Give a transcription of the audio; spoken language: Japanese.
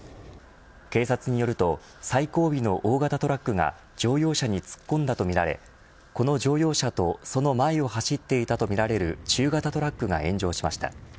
警察によると最後尾の大型トラックが乗用車に突っ込んだとみられこの乗用車とその前を走っていたと見られる中型トラックが炎上しました。